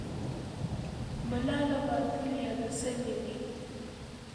ملاله به تل یاده سوې وي.